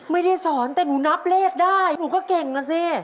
ไม่ได้สอนแต่หนูนับเลขได้หนูก็เก่งนะสิ